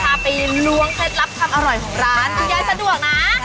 พาไปล้วงเคล็ดลับความอร่อยของร้านคุณยายสะดวกนะ